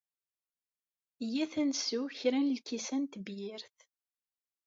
Iyyat ad nsew kra n lkisan n tebyirt.